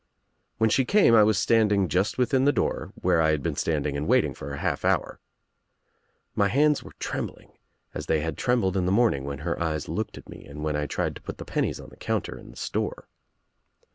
When she came I was standing just within the door where I had been standing and waiting for a half hour. My hands were trembling as they had trembled In the morning when her eyes looked at me and when I tried to put the pennies on the counter in the store.